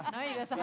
nah itu santri